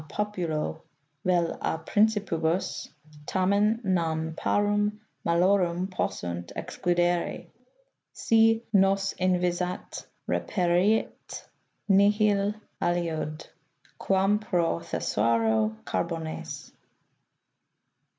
populo, vel a Principibus, tamen non parum malorum possunt excludere. Si nos invisat, reperiet nihil aliud, quam pro thesauro carbones."